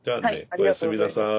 おやすみなさい。